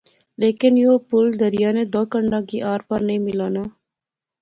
لیکن یو پل دریا نے داں کنڈیاں کی آر پار نی ملانا